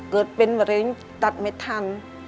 เกิดเป็นมะเร็งตัดไม่ทัน